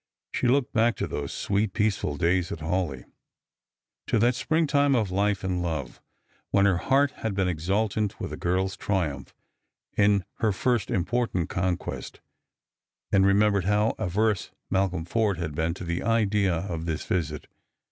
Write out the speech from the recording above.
She looked back to those Bweet peaceful days at Hawleigh, to that spring time of life and love, when her heart had been exultant with a girl's triumph in her first important conquest, and remembered how averse Mal colm Forde had been to the idea of this visit.